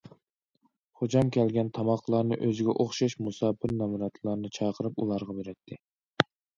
خوجام كەلگەن تاماقلارنى ئۆزىگە ئوخشاش مۇساپىر، نامراتلارنى چاقىرىپ ئۇلارغا بېرەتتى.